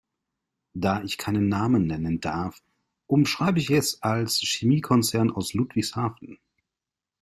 Da ich keine Namen nennen darf, umschreibe ich es als Chemiekonzern aus Ludwigshafen.